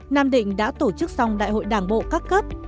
nam định đã tổ chức xong đại hội đảng bộ các cấp